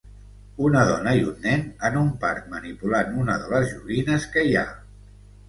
Una dona i un nen en un parc manipulant una de les joguines que hi ha